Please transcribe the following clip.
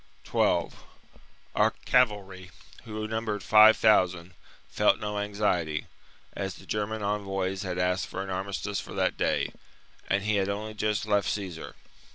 12. Our cavalry, who numbered five thousand, felt no anxiety, as the German envoys had asked for an armistice for that day, and had only just left Caesar.